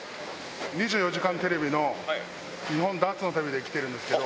２４時間テレビの日本ダーツの旅で来てるんですけど。